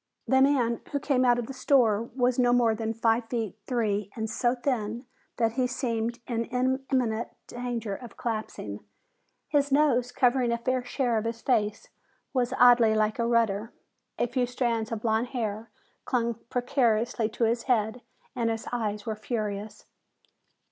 The man who came out of the store was no more than five feet three and so thin that he seemed in imminent danger of collapsing. His nose, covering a fair share of his face, was oddly like a rudder. A few strands of blond hair clung precariously to his head and his eyes were furious.